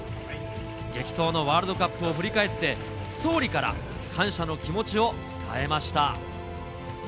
激闘のワールドカップを振り返って、総理から感謝の気持ちを伝えました。